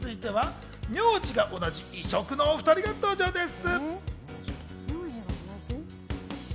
名字が同じ、異色のお２人が登場です。